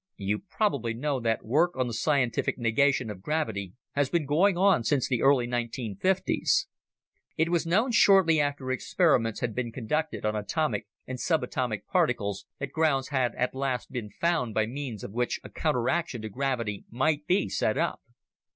"You probably know that work on the scientific negation of gravity has been going on since the early 1950's. It was known shortly after experiments had been conducted on atomic and subatomic particles that grounds had at last been found by means of which a counteraction to gravity might be set up.